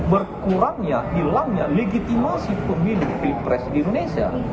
berkurangnya hilangnya legitimasi pemilu pilpres di indonesia